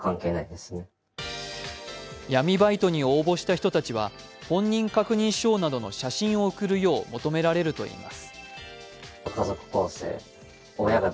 闇バイトに応募した人たちは本人確認証などの写真を送るよう求められるといいます。